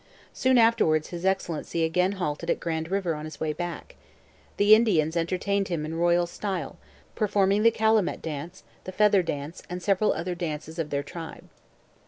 Soon afterwards His Excellency again halted at Grand River on his way back. The Indians entertained him in royal style, performing the calumet dance, the feather dance, and several other dances of their tribe.